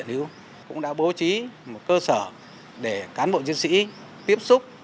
công an tỉnh quảng nam cũng đã bố trí một cơ sở để cán bộ chiến sĩ